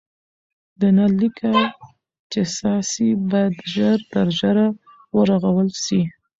د نل لیکه چي څاڅي باید ژر تر ژره ورغول سي.